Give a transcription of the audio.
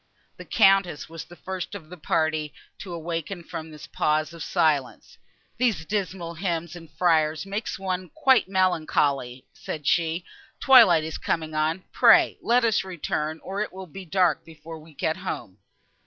The Countess was the first of her party to awaken from this pause of silence. "These dismal hymns and friars make one quite melancholy," said she; "twilight is coming on; pray let us return, or it will be dark before we get home."